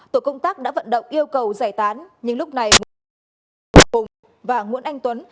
tổ công tác đã vận động yêu cầu giải tán nhưng lúc này nguyễn anh dũng hồ hùng và nguyễn anh tuấn